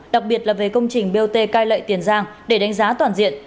đặc biệt là về công trình bot cai lệ tiền giang để đánh giá toàn diện